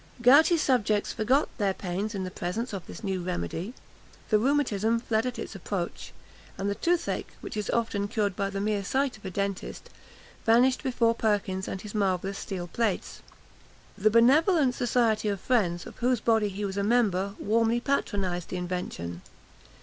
Gouty subjects forgot their pains in the presence of this new remedy; the rheumatism fled at its approach; and toothache, which is often cured by the mere sight of a dentist, vanished before Perkins and his marvellous steel plates. The benevolent Society of Friends, of whose body he was a member, warmly patronised the invention.